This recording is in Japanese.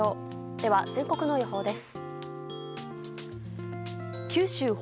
では全国の予報です。